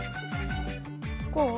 こう？